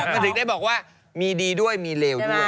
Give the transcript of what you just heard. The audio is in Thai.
มันถึงได้บอกว่ามีดีด้วยมีเลวด้วย